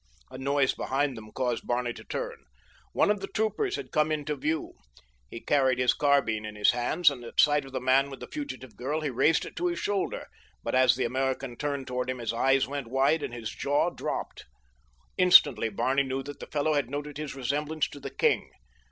A noise behind them caused Barney to turn. One of the troopers had come into view. He carried his carbine in his hands and at sight of the man with the fugitive girl he raised it to his shoulder; but as the American turned toward him his eyes went wide and his jaw dropped. Instantly Barney knew that the fellow had noted his resemblance to the king.